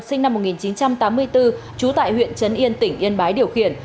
sinh năm một nghìn chín trăm tám mươi bốn trú tại huyện trấn yên tỉnh yên bái điều khiển